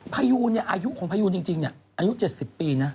พะยูอายุของพะยูจริงนี่อายุ๗๐ปีนะ